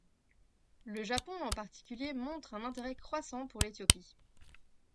Le Japon, en particulier, montre un intérêt croissant pour l'Éthiopie.